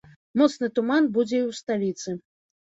Моцны туман будзе і ў сталіцы.